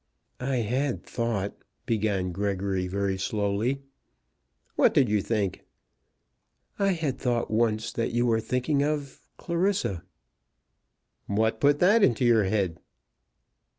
"I had thought, " began Gregory very slowly. "What did you think?" "I had thought once that you were thinking of Clarissa." "What put that into your head?"